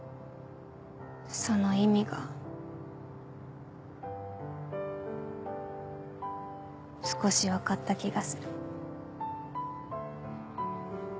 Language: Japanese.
その意味が少しわかった気がする。